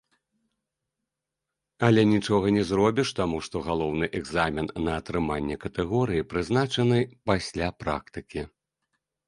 Але нічога не зробіш, таму што галоўны экзамен на атрыманне катэгорыі прызначаны пасля практыкі.